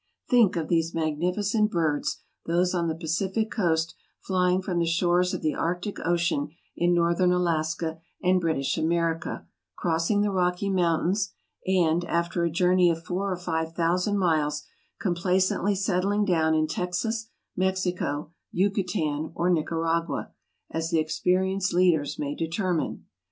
Think of these magnificent birds, those on the Pacific coast flying from the shores of the Arctic ocean in northern Alaska and British America, crossing the Rocky Mountains, and, after a journey of four or five thousand miles, complacently settling down in Texas, Mexico, Yucutan, or Nicaragua, as the experienced leaders may determine.